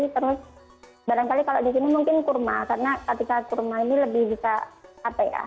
terus barangkali kalau di sini mungkin kurma karena ketika kurma ini lebih bisa apa ya